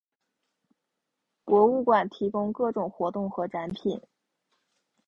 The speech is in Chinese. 博物馆提供各种活动和展品。